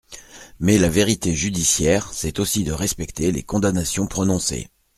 Mais la vérité judiciaire, c’est aussi de respecter les condamnations prononcées.